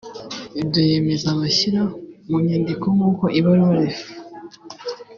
ibyo yemeza abishyira mu nyandiko nkuko ibaruwa Ref